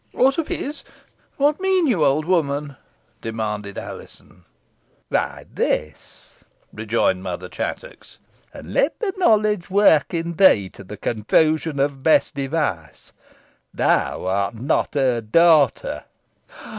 "Aught of his! What mean you, old woman?" demanded Alizon. "Why, this," rejoined Mother Chattox, "and let the knowledge work in thee, to the confusion of Bess Device. Thou art not her daughter."